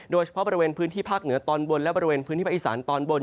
โดยเฉพาะบริเวณพื้นที่ภาคเหนือตอนบนและบริเวณพื้นที่ภาคอีสานตอนบน